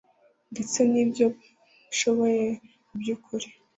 ndetse n'ibyo nshoboye mu by'ukuri